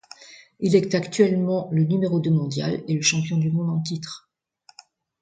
Il est actuellement le numéro deux mondial et le champion du monde en titre.